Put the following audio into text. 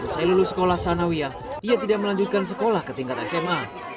setelah lulus sekolah sanawiya dia tidak melanjutkan sekolah ke tingkat sma